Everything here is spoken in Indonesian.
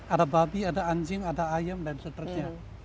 ada babi ada anjing ada ayam dan seterusnya